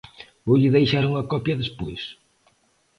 Voulle deixar unha copia despois.